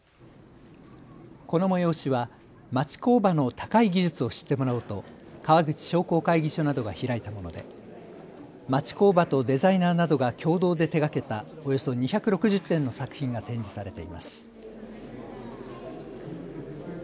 この催しは町工場の高い技術を知ってもらおうと川口商工会議所などが開いたもので町工場とデザイナーなどが共同で手がけたおよそ２６０点の作品が展示されています。